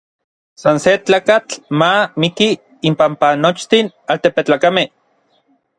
San se tlakatl ma miki inpampa nochtin altepetlakamej.